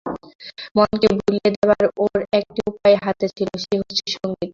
মনকে ভুলিয়ে দেবার ওর একটি উপায় হাতে ছিল, সে হচ্ছে সংগীত।